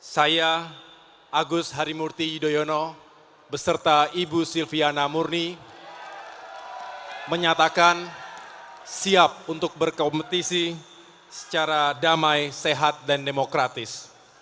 saya agus harimurti yudhoyono beserta ibu silviana murni menyatakan siap untuk berkompetisi secara damai sehat dan demokratis